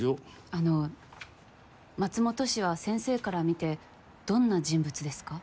あの松本氏は先生から見てどんな人物ですか？